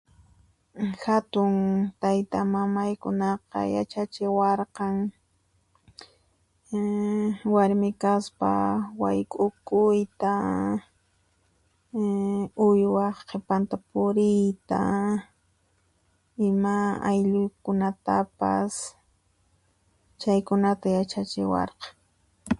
Hatun taytamamaykunaqa yachachiwarqan ee... warmikaspa wayk'ukuyta uywaq qipanta puriyta ima aylluykunatapas, chaykunata yachachiwarqan